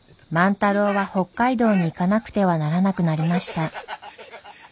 太郎は北海道に行かなくてはならなくなりました。